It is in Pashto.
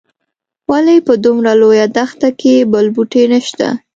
ولې په دومره لویه دښته کې بل بوټی نه شته.